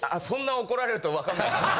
そんな怒られると、分からないです。